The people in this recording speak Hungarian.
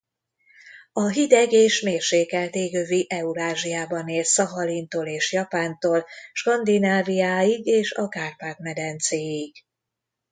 A hideg- és mérsékelt égövi Eurázsiában él Szahalintól és Japántól Skandináviáig és a Kárpát-medencéig.